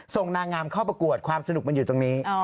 นางงามเข้าประกวดความสนุกมันอยู่ตรงนี้